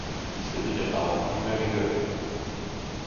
Dies wird Ihre Augen immer wieder öffnen.